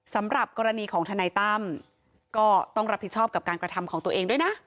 สำหรับกรณีของทนายตั้มก็ต้องรับผิดชอบกับการกระทำของตัวเองด้วยนะ